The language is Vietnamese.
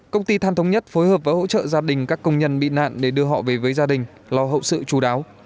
công ty than thống nhất phối hợp và hỗ trợ gia đình các công nhân bị nạn để đưa họ về với gia đình lo hậu sự chú đáo